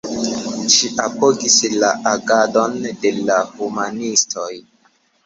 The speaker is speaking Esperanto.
Ŝi apogis la agadon de la humanistoj.